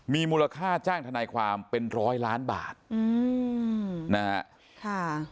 มีมูลค่าจ้างทนายความเป็นร้อยล้านบาทอืมนะฮะค่ะ